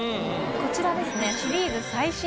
こちらですね。